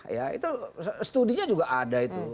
ya itu studinya juga ada itu